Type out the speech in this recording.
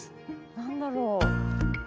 何だろう？